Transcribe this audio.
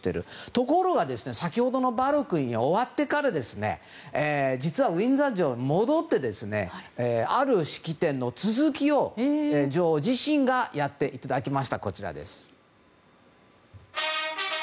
ところが、先ほどのバルコニーが終わってから実はウィンザー城に戻ってある式典に続きを女王自身がやっていただきました。